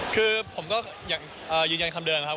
คือผมก็ยังยืนยันคำเดิมครับ